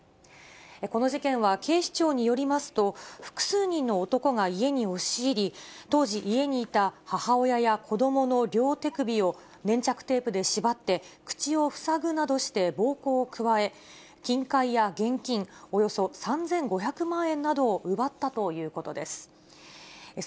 この事件は警視庁によりますと、複数人の男が家に押し入り、当時、家にいた母親や子どもの両手首を粘着テープで縛って口を塞ぐなどして暴行を加え、金塊や現金、およそ３５００万円などを奪ったということです。